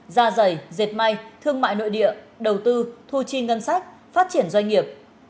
ra giày dệt may thương mại nội địa đầu tư thu chi ngân sách phát triển doanh nghiệp